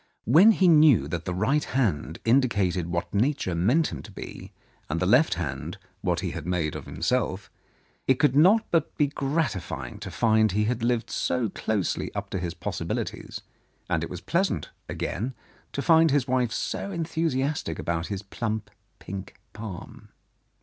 When he knew that the right hand indicated what Nature meant him to be, and the left what he had made of himself, it could not but be gratifying to find he had lived so closely up to his possibilities, and it was pleasant, again, to find his wife so enthu siastic about his plump, pink palm.